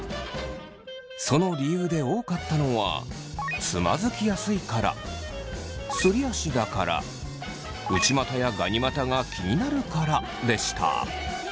その理由で多かったのは「つまずきやすいから」「すり足だから」「内股やガニ股が気になるから」でした。